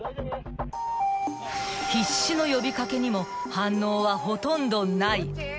［必死の呼び掛けにも反応はほとんどない］